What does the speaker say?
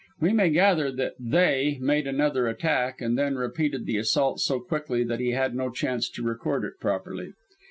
We may gather that "They" made another attack and then repeated the assault so quickly that he had no chance to record it properly.